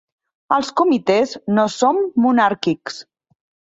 Els Comitès no som monàrquics.